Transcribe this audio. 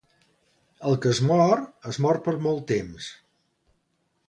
El que es mor, es mor per molt temps.